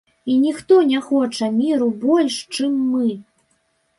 І ніхто не хоча міру больш, чым мы.